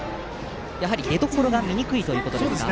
やはり出どころが見にくいということですか。